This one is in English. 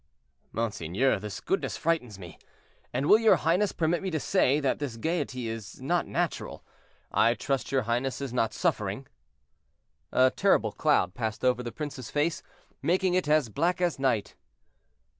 "Monseigneur, this goodness frightens me; and will your highness permit me to say that this gayety is not natural. I trust your highness is not suffering." A terrible cloud passed over the prince's face, making it as black as night.